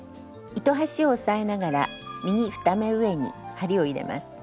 糸端を押さえながら右２目上に針を入れます。